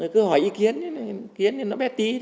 cứ hỏi ý kiến ý kiến thì nó bé tí